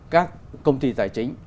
các công ty tài chính